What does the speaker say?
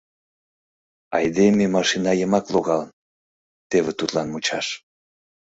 — Айдеме машина йымак логалын — теве тудлан мучаш.